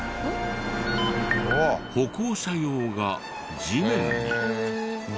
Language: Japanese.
歩行者用が地面に。